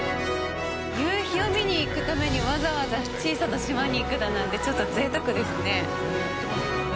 夕日を見に行くためにわざわざ小さな島に行くだなんて、ちょっとぜいたくですね。